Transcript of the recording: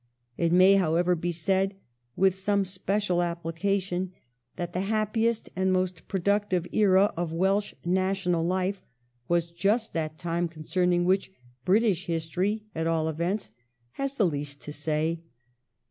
It may, however, be said with some special application that the happiest and most productive era of Welsh national life was just that time concerning which British history, at all events, has the least to say.